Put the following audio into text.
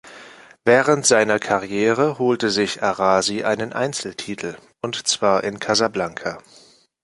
Während seiner Karriere holte sich Arazi einen Einzeltitel, und zwar in Casablanca.